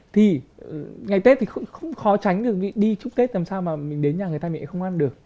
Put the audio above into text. thì ngày tết thì không khó tránh được đi chúc tết làm sao mà mình đến nhà người ta mới không ăn được